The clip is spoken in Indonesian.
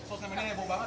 sosial media heboh banget